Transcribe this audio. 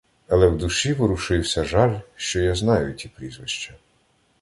Але в душі ворушився жаль, що я знаю ті прізвища.